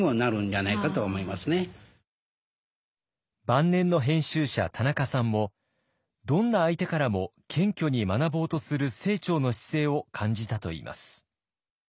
晩年の編集者田中さんもどんな相手からも謙虚に学ぼうとする清張の姿勢を感じたといいます。